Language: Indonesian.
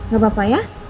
gak apa apa ya